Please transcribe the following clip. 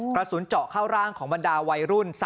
กระสุนเจาะเข้าร่างของบรรดาวัยรุ่น